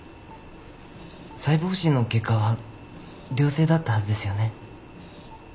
細胞診の結果は良性だったはずですよね？